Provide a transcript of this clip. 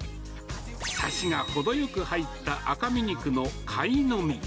サシが程よく入った赤身肉のカイノミ。